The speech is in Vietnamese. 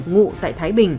ngụ tại thái bình